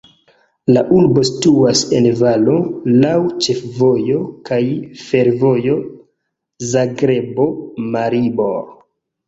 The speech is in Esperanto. La urbo situas en valo, laŭ ĉefvojo kaj fervojo Zagrebo-Maribor.